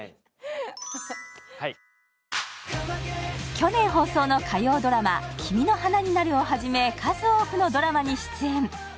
去年放送の火曜ドラマ「君の花になる」をはじめ数多くのドラマに出演。